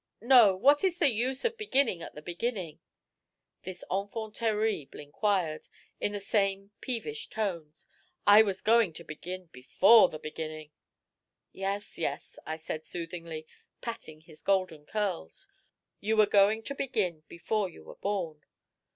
"No! What is the use of beginning at the beginning?" this enfant terrible enquired, in the same peevish tones. "I was going to begin before the beginning." "Yes, yes," I said soothingly, patting his golden curls; "you were going to begin before you were born."